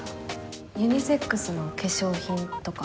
ユニセックスの化粧品とか？